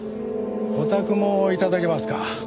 お宅も頂けますか。